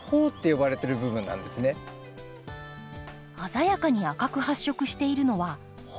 鮮やかに赤く発色しているのは苞。